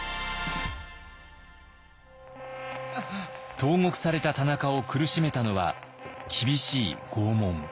投獄された田中を苦しめたのは厳しい拷問。